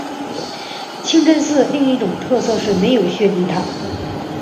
清真寺另一特色是没有宣礼塔。